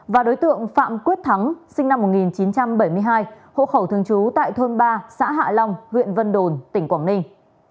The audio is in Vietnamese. và đối tượng phạm quyết thắng sinh năm một nghìn chín trăm bảy mươi hai hộ khẩu thường trú tại thôn ba xã hạ long huyện vân đồn tỉnh quảng ninh